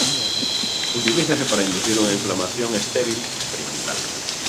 Utilízase para inducir unha inflamación estéril experimental.